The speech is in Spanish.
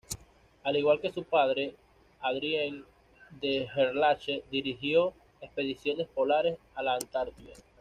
Al igual que su padre Adrien de Gerlache, dirigió expediciones polares a la Antártida.